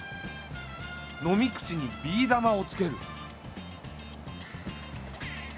飲み口にビー玉をつける。